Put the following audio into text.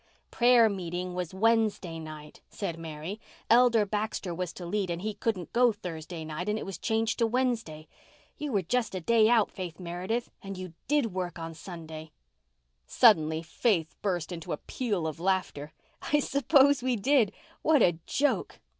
"Prayer meeting was Wednesday night," said Mary. "Elder Baxter was to lead and he couldn't go Thursday night and it was changed to Wednesday. You were just a day out, Faith Meredith, and you did work on Sunday." Suddenly Faith burst into a peal of laughter. "I suppose we did. What a joke!"